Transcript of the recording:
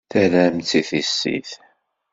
Terramt-tt i tissit.